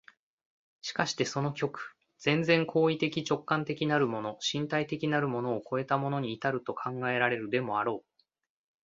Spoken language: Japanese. しかしてその極、全然行為的直観的なるもの、身体的なるものを越えたものに到ると考えられるでもあろう。